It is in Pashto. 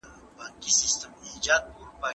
زه به سبا درسونه ولوستم.